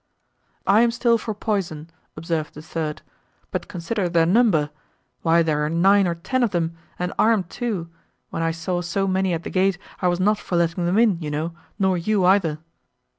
"I am still for poison," observed the third, "but consider their number; why there are nine or ten of them, and armed too; when I saw so many at the gate, I was not for letting them in, you know, nor you either."